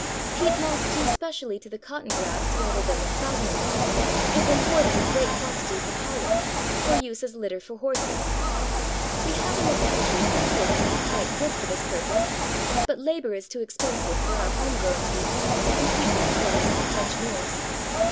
Peat moss due specially to the Cotton grass rather than the Sphagnum moss is imported in great quantity from Holland, for use as litter for horses. We have in this country plenty of peat quite good for this purpose, but labour is too expensive for our home grown peat to compete with the produce of Dutch moors.